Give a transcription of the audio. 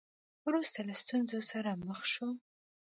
وروسته له ستونزو سره مخ شو.